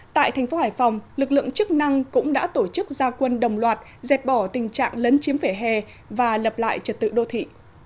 tại thành phố hải phòng lực lượng chức năng cũng đã tổ chức gia quân đồng loạt dẹp bỏ tình trạng lấn chiếm vỉa hè và lập lại trật tự đô thị